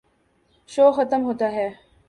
شو ختم ہوتا ہے۔